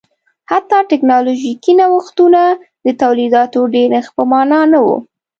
حتی ټکنالوژیکي نوښتونه د تولیداتو ډېرښت په معنا نه و